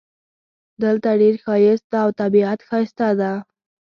دلته ډېر ښایست ده او طبیعت ښایسته ده